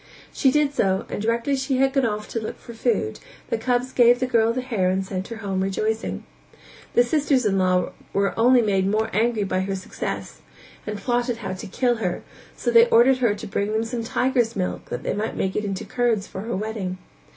She did so and directly she had gone off to look for food, the cubs gave the girl the hair and sent her home rejoicing. The sisters in law were only made more angry by her success and plotted how to kill her, so they ordered her to bring them some tiger's milk that they might make it into curds for her wedding.